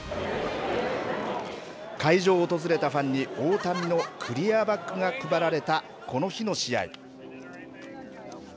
会場を訪れたファンに、大谷のクリアバッグが配られたこの日の試合。